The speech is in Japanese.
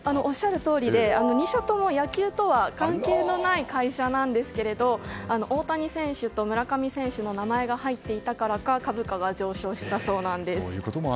２社とも野球とは関係のない会社なんですが大谷選手と村上選手の名前が入っていたからか株価が上昇したそうなんです。